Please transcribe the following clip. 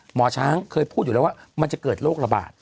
หมอช้างเคยพูดอยู่แล้วว่ามันจะเกิดโรคระบาด